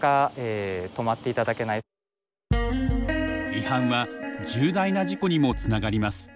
違反は重大な事故にもつながります。